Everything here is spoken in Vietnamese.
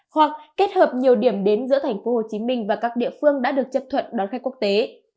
hoặc kết hợp nhiều điểm đến giữa thành phố hồ chí minh và các địa phương đã được chấp thuận đón khách quốc tế